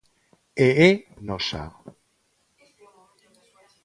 E é nosa.